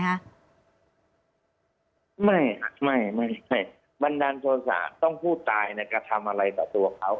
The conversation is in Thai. ไม่ครับไม่บันดาลโทษะต้องผู้ตายก็ทำอะไรต่อตัวเขา